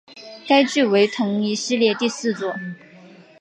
该剧为同一系列第四作。